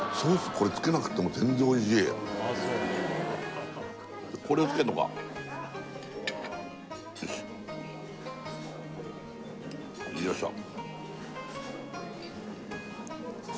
これつけなくっても全然おいしいこれをつけるのかよしよいしょ